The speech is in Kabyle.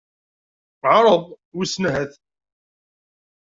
Ԑreḍ, wissen ahat.